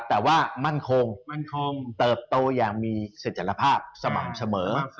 แต่ว่ามั่นคงเติบโตอย่างมีเสร็จภาพสม่ำเสมอ